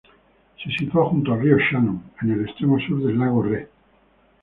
Se sitúa junto al río Shannon, en el extremo sur del lago Ree.